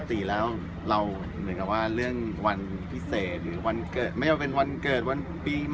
มีเกรียมของขวัญชิ้นพิเศษอยู่นี่ไหมครับวันวาเล็นไทย